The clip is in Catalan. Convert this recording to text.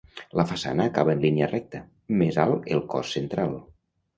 La façana acaba en línia recta, més alt el cos central.